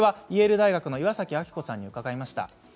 イェール大学の岩崎明子さんに伺いました。